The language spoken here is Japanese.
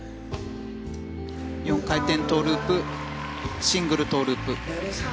４回転トウループシングルトウループ。